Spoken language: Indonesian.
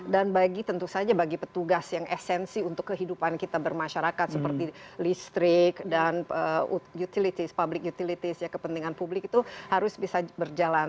dan bagi tentu saja bagi petugas yang esensi untuk kehidupan kita bermasyarakat seperti listrik dan utilities public utilities ya kepentingan publik itu harus bisa berjalan